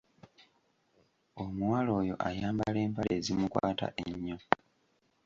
Omuwala oyo ayambala empale ezimukwata ennyo.